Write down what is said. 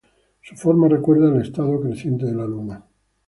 Su forma recuerda el estado creciente de la luna.